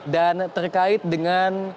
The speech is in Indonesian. dan terkait dengan